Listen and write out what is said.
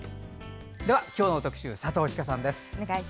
では、今日の特集佐藤千佳さんです。